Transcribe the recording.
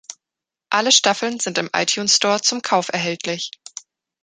Alle Staffeln sind im iTunes Store zum Kauf erhältlich.